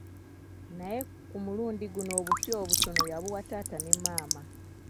Naye ku mulundi guno obufi obutono ya buwa taata ne maama.